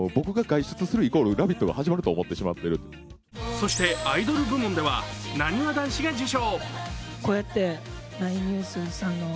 そしてアイドル部門では、なにわ男子が受賞。